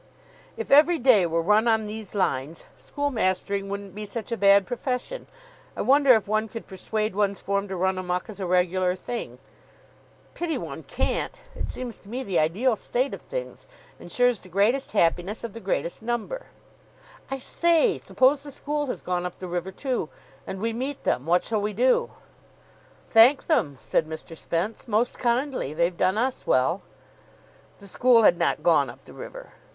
"If every day were run on these lines, school mastering wouldn't be such a bad profession. I wonder if one could persuade one's form to run amuck as a regular thing." "Pity one can't. It seems to me the ideal state of things. Ensures the greatest happiness of the greatest number." "I say! Suppose the school has gone up the river, too, and we meet them! What shall we do?" "Thank them," said Mr. Spence, "most kindly. They've done us well." The school had not gone up the river.